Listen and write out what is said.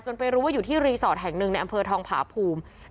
ไปรู้ว่าอยู่ที่รีสอร์ทแห่งหนึ่งในอำเภอทองผาภูมิ